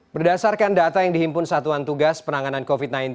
berdasarkan data yang dihimpun satuan tugas penanganan covid sembilan belas